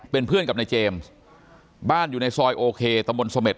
เป็นเพื่อนกับนายเจมส์บ้านอยู่ในซอยโอเคตะบนเสม็ด